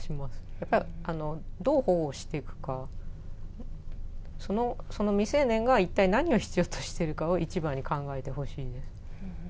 やっぱり、どう保護していくか、未成年が一体何を必要としているかを一番に考えてほしいです。